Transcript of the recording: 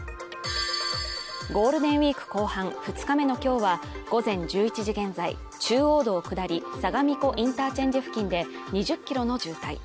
ゴールデンウィーク後半２日目の今日は午前１１時現在、中央道下り相模湖インターチェンジ付近で２０キロの渋滞。